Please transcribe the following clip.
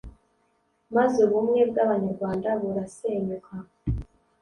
maze ubumwe bw’Abanyarwanda burasenyuka,